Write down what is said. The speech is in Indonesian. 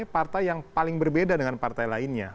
golkar ini partai yang paling berbeda dengan partai lainnya